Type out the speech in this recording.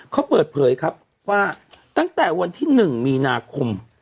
เขาเปิดเผยครับว่าตั้งแต่วันที่๑มีนาคม